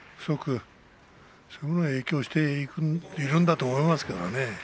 そういうものが影響しているんだと思いますけれどね。